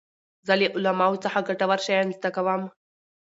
زه له علماوو څخه ګټور شیان زده کوم.